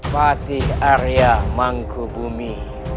patih arya mangkubumi